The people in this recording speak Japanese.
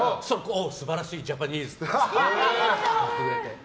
素晴らしい、ジャパニーズ！って言ってくれて。